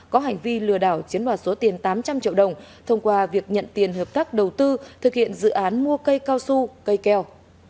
có hành vi lừa đảo chiếm đoạt số tiền tám trăm linh triệu đồng thông qua việc nhận tiền hợp tác đầu tư thực hiện dự án mua cây cao su cây keo